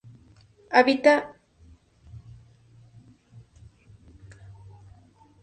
Habita en Siria y Palestina.